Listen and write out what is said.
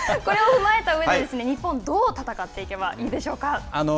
これを踏まえた上で日本、どう戦っていけばいいんでしょうか。